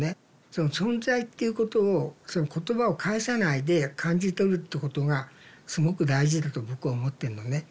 その存在っていうことをそういう言葉を介さないで感じ取るってことがすごく大事だと僕は思ってんのね。